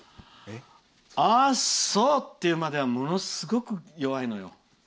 ああ、そう！っていうまではものすごく弱いのよ。